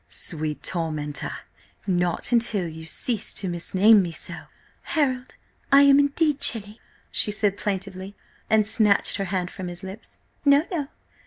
"Sweet tormentor, not until you cease so to misname me." "Harold, I am indeed chilly!" she said plaintively and snatched her hand from his lips. "No, no!